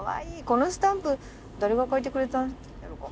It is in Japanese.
このスタンプ誰が描いてくれたん？